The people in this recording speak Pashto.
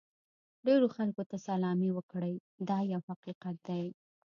ډېرو خلکو ته سلامي وکړئ دا یو حقیقت دی.